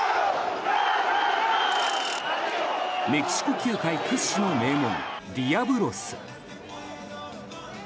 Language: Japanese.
メキシコ球界屈指の名門ディアブロス。